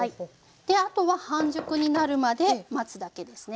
であとは半熟になるまで待つだけですね。